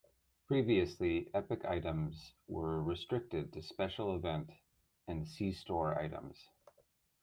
Previously, Epic items were restricted to special event and C-store items.